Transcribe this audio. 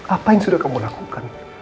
apa yang sudah kamu lakukan